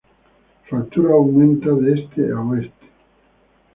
Su altura aumente de este a oeste.